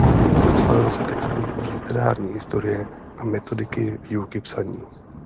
Proslavil se texty z literární historie a metodiky výuky psaní.